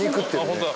ホントだ